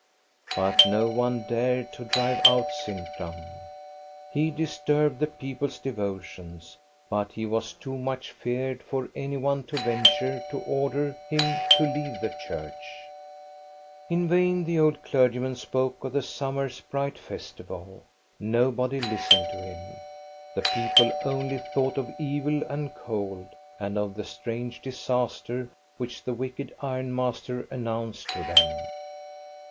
But no one dared to drive out Sintram. He dis turbed the people's devotions, but he was too much feared for any one to venture to order him to leave the church. MIDSUMMER SO? In vain the old clergyman spoke of the summer's bright festival Nobody listened to him. The peo ple only thought of evil and cold and of the strange disaster which the wicked ironmaster announced to them.